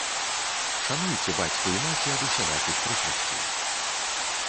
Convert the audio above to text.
Шануйце бацьку і маці ад усялякіх прыкрасцей.